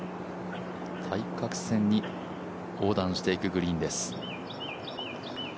対角線に横断していくグリーンです。